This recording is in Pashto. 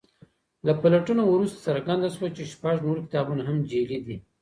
له پلټنو وروسته څرګنده شوه چې شپږ نور کتابونه هم جعلي دي.